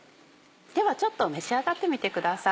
ではちょっと召し上がってみてください。